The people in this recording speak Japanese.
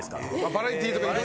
バラエティーとか色々。